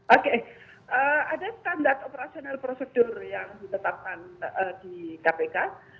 oke ada standar operasional prosedur yang ditetapkan di kpk